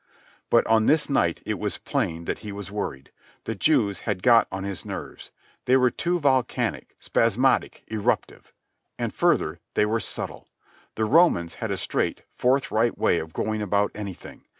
But on this night it was plain that he was worried. The Jews had got on his nerves. They were too volcanic, spasmodic, eruptive. And further, they were subtle. The Romans had a straight, forthright way of going about anything.